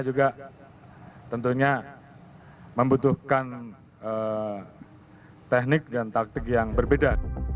juga tentunya membutuhkan teknik dan taktik yang berbeda